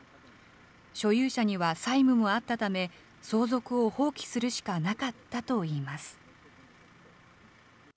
所有者には債務もあったため、相続を放棄するしかなかったといいます。